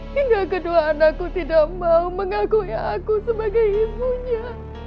hingga kedua anakku tidak mau mengakui aku sebagai ibunya